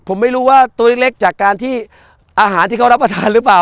ผมไม่รู้ว่าตัวเล็กจากการที่อาหารที่เขารับประทานหรือเปล่า